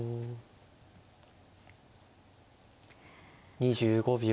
２５秒。